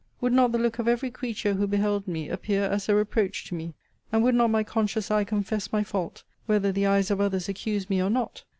Would not the look of every creature, who beheld me, appear as a reproach to me? And would not my conscious eye confess my fault, whether the eyes of others accused me or not?